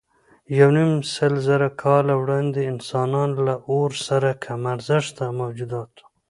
یونیمسلزره کاله وړاندې انسانان له اور سره کم ارزښته موجودات وو.